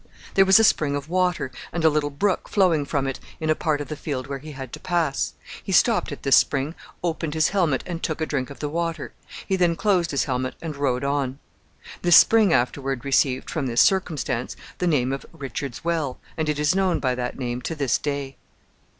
There was a spring of water, and a little brook flowing from it in a part of the field where he had to pass. He stopped at this spring, opened his helmet, and took a drink of the water. He then closed his helmet and rode on. This spring afterward received, from this circumstance, the name of "Richard's Well," and it is known by that name to this day.